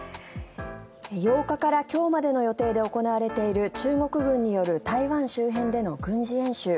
８日から今日までの予定で行われている中国軍による台湾周辺での軍事演習。